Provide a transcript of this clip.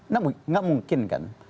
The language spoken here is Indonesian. tidak mungkin kan